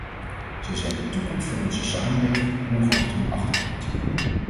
Zij zijn de toekomst van onze samenleving, ongeacht hun achtergrond.